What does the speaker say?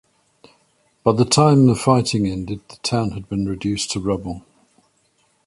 By the time the fighting ended, the town had been reduced to rubble.